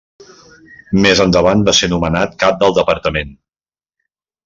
Més endavant va ser nomenat cap del departament.